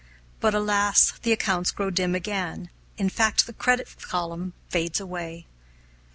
But alas! the accounts grow dim again in fact the credit column fades away.